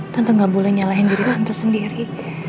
tante gak boleh nyalahin diri tante sendiri